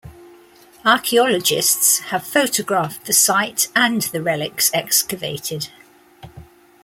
Archaeologists have photographed the site and the relics excavated.